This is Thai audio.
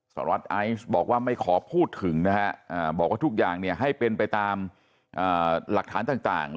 สารวัตรไอซ์บอกว่าไม่ขอพูดถึงนะฮะบอกว่าทุกอย่างเนี่ยให้เป็นไปตามหลักฐานต่าง